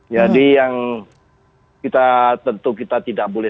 jadi yang kita tentu kita tidak boleh